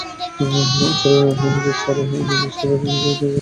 এছাড়াও, নিচেরসারির কার্যকরী ব্যাটসম্যান হিসেবে সুনাম ছিল তার।